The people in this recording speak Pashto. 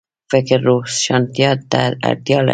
فکر روښانتیا ته اړتیا لري